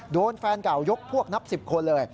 โดนแฟนเก่ายกพวกนับ๑๐คนเลย